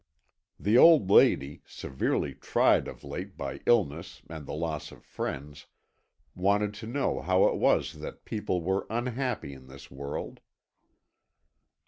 The old lady, severely tried of late by illness and the loss of friends, wanted to know how it was that people were unhappy in this world.